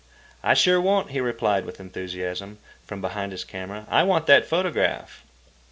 "I sure won't," he replied with enthusiasm, from behind his camera. "I want that photograph."